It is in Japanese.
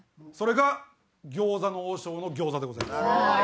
それが餃子の王将の餃子でございます。